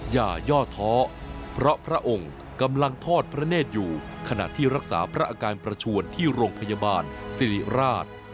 ย่อท้อเพราะพระองค์กำลังทอดพระเนธอยู่ขณะที่รักษาพระอาการประชวนที่โรงพยาบาลสิริราช